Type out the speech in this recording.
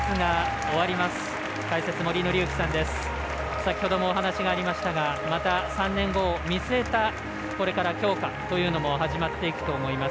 先ほどもお話がありましたが３年後を見据えたこれから強化というのも始まっていくと思います。